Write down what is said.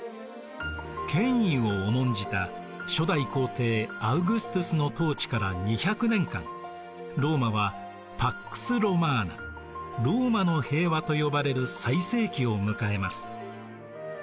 権威を重んじた初代皇帝アウグストゥスの統治から２００年間ローマはパックス・ロマーナローマの平和と呼ばれる最盛期を迎えます。